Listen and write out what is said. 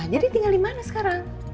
jadi tinggal di mana sekarang